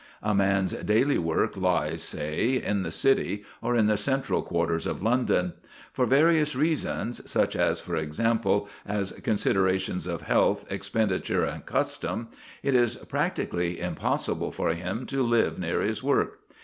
A man's daily work lies, say, in the City or in the central quarters of London. For various reasons such, for example, as considerations of health, expenditure, and custom it is practically impossible for him to live near his work.